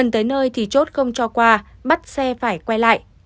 tùy chốt không cho qua bắt xe phải quay lại